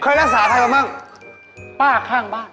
เคยรักษาใครกันบ้างป้าข้างบ้าน